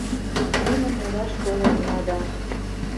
Лӱмын мураш толынна да